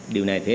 điều này thiết